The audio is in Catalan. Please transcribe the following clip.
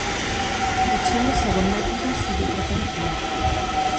Potser el segon mètode sigui preferible.